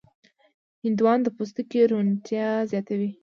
هندوانه د پوستکي روڼتیا زیاتوي.